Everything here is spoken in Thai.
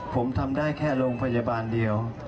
ผมทำได้แค่โรงพยาบาลเดียว